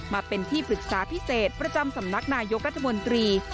มาเป็นที่ปรึกษาพิเศษประจำสำนักนายกรัฐมนตรี